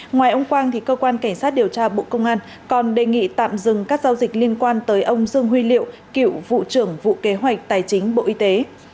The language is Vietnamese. ngoài ông quang cơ quan cảnh sát điều tra bộ công an còn đề nghị tạm dừng các giao dịch liên quan tới ông dương huy liệu cựu vụ trưởng vụ kế hoạch tài chính bộ y tế